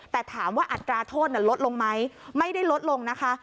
แต่ถามว่าอัตราโทษลดลงไหมไม่ได้ลดลงนะคะ